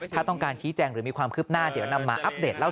ถ้าต้องการชี้แจงหรือมีความคืบหน้าเดี๋ยวนำมาอัปเดตเล่า